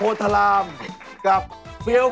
รถมหาสนุก